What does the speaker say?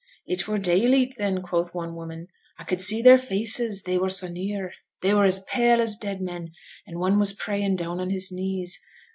'It were dayleet then,' quoth one woman; 'a could see their faces, they were so near. They were as pale as dead men, an' one was prayin' down on his knees.